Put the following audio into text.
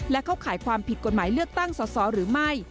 และเข้าข่ายความผิดกฎหมายเลือกตั้งสอสอหรือไม่